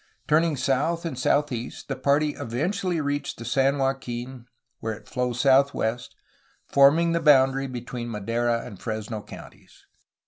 Turning south and southeast the party eventually reached the San Joaquin where it flows southwest, forming the boundary between Madera and Fresno counties.